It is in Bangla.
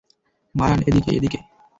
মারান, এদিকে, এদিকে।